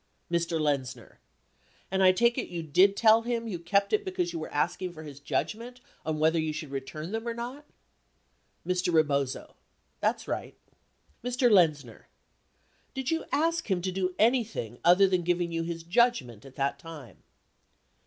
Mr. Lenzner. And I take it you did tell him you kept it because you were asking for his judgment on whether you should return them or not ? Mr. Rebozo. That's right. Mr. Lexzner. Did you ask him to do anything other than giving you his judgment at that time